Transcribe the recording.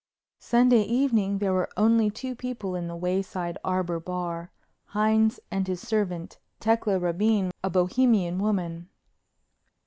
Sunday evening there were only two people in the Wayside Arbor bar, Hines and his servant, Tecla Rabine, a Bohemian woman.